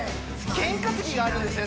験担ぎがあるんですね